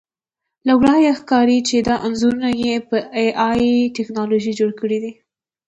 له ورایه ښکاري چې دا انځورونه یې په اې ائ ټکنالوژي جوړ کړي دي